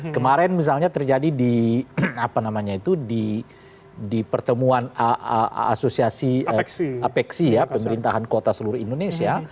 kemarin misalnya terjadi di pertemuan asosiasi apecsi ya pemerintahan kota seluruh indonesia